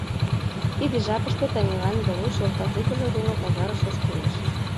Тиде жапыште Танилан Веруш йолташ ӱдыржӧ дене пазарыш ошкылеш.